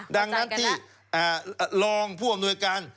ดังนั้นที่รองผู้อำนวยการ